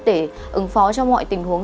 để ứng phó cho mọi tình huống